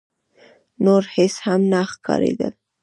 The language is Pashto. نور هيڅ هم نه ښکارېدل.